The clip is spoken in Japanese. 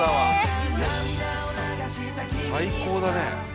最高だね。